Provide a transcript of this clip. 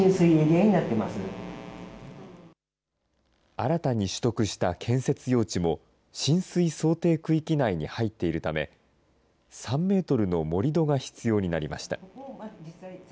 新たに取得した建設用地も、浸水想定区域内に入っているため、３メートルの盛り土が必要になりました。